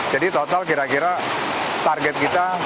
jadi total kira kira target kita sepuluh unit per bulan